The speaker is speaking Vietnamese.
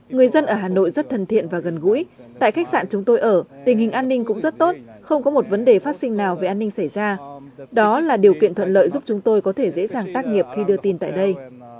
người dân ở hà nội rất thân thiện và gần gũi tại khách sạn chúng tôi ở tình hình an ninh cũng rất tốt không có một vấn đề phát sinh nào về an ninh xảy ra đó là điều kiện thuận lợi giúp chúng tôi có thể dễ dàng tác nghiệp khi đưa tin tại đây